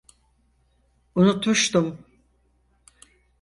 Unutmuştum.